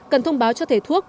cần thông báo cho thể thuốc